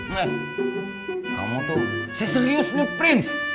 nih kamu tuh serius nih prins